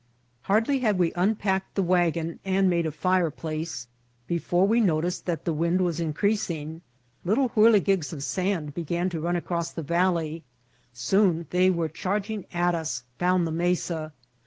Hardly had we unpacked the wagon and made a fireplace before we noticed that the wind was increasing. Little whirligigs of sand began to run across the valley. Soon they were charging at us down the mesa.